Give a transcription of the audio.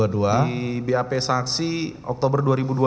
di bap saksi oktober dua ribu dua puluh